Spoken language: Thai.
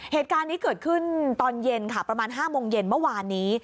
เหตุการณ์นี้เกิดขึ้นตอนเย็นค่ะประมาณ๕โมงเย็นเมื่อวานนี้